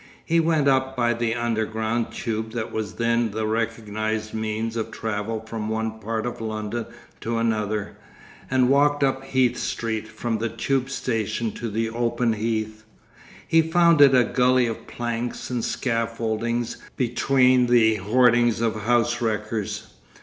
He went up by the underground tube that was then the recognised means of travel from one part of London to another, and walked up Heath Street from the tube station to the open heath. He found it a gully of planks and scaffoldings between the hoardings of house wreckers.